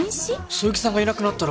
そよぎさんがいなくなったら俺。